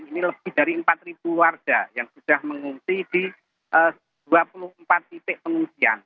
ini lebih dari empat warga yang sudah mengungsi di dua puluh empat titik pengungsian